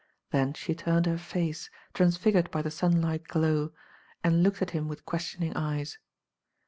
Then she turned her face, transfigured by the sunlight glow, and looked at him with questioning eyes.